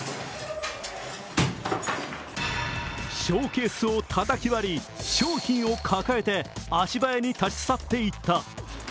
ショーケースをたたき割り、商品を抱えて足早に立ち去っていった。